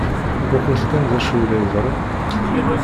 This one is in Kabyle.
Muqlet kan d acu i la iḍeṛṛun.